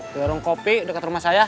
di warung kopi dekat rumah saya